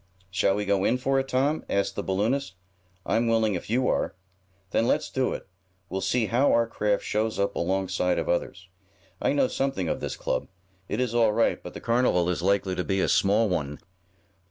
"Shall we go in for it, Tom?" asked the balloonist. "I'm willing if you are." "Then let's do it. We'll see how our craft shows up alongside of others. I know something of this club. It is all right, but the carnival is likely to be a small one.